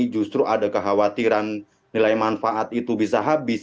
justru ada kekhawatiran nilai manfaat itu bisa habis